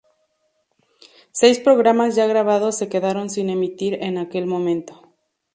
Seis programas ya grabados se quedaron sin emitir en aquel momento.